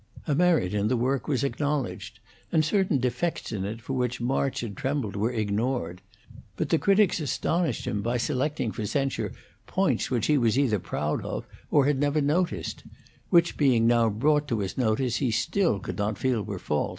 A merit in the work was acknowledged, and certain defects in it for which March had trembled were ignored; but the critics astonished him by selecting for censure points which he was either proud of or had never noticed; which being now brought to his notice he still could not feel were faults.